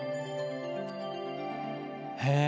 へえ。